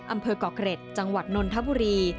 อำเภอกเกาะเกร็ดจังหวัดนนทบุรี